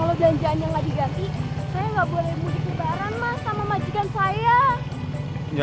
kalo janjiannya gak diganti saya gak boleh mudik kebaran mas sama majikan saya